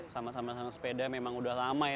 sama sama sepeda memang udah lama ya